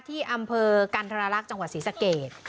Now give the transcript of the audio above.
ที่อำเภอกันธรรลักษณ์จังหวัดศรีสะเกด